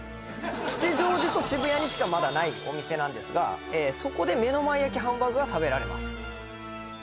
吉祥寺と渋谷にしかまだないお店なんですがそこで目の前焼きハンバーグが食べられます